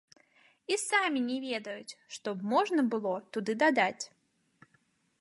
І самі не ведаюць, што б можна было туды дадаць.